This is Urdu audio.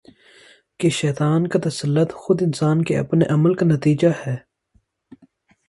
کہ شیطان کا تسلط خود انسان کے اپنے عمل کا نتیجہ ہے